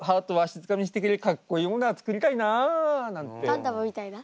ガンダムみたいな？